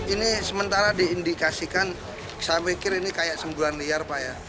ini sementara diindikasikan saya pikir ini kayak semburan liar pak ya